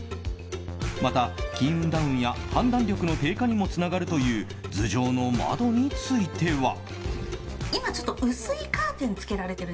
また、金運ダウンや判断力の低下にもつながるという頭上の窓については。